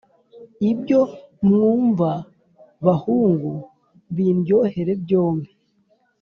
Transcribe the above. ibyo mwumva bahungu, bindyohera byombi !